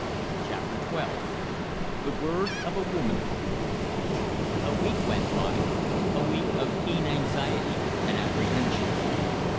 CHAPTER TWELVE THE WORD OF A WOMAN A week went by a week of keen anxiety and apprehension.